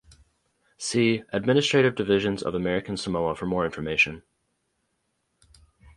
See Administrative divisions of American Samoa for more information.